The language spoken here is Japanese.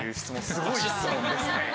すごい質問ですね。